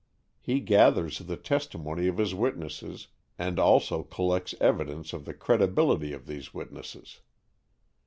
He gathers the testimony of his witnesses, and also collects evidence of the credibility of these witnesses.